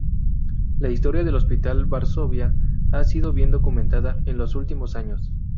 La historia del Hospital Varsovia ha sido bien documentada en los últimos años.